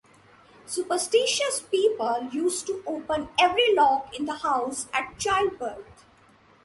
Superstitious people used to open every lock in the house at childbirth.